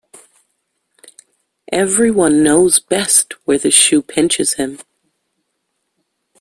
Every one knows best where the shoe pinches him.